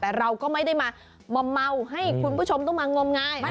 แต่เราก็ไม่ได้มาเมาให้คุณผู้ชมต้องมางมงาย